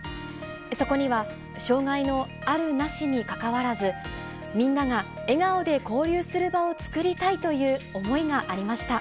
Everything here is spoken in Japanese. そこには、障がいのある、なしにかかわらず、みんなが笑顔で交流する場を作りたいという思いがありました。